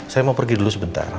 saya mau pergi dulu sebentar